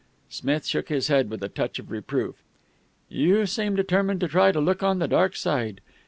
Smith shook his head with a touch of reproof. "You seem determined to try to look on the dark side.